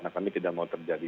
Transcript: nah kami tidak mau terjadi